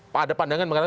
pada pandangan mengenai